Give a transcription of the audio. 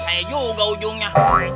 saya juga ujungnya